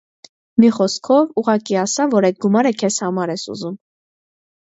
մի խոսքով՝ ուղղակի ասա, որ այդ գումարը քեզ համար ես ուզում: